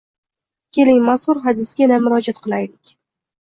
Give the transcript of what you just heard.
Keling, mazkur hadisga yana murojaat qilaylik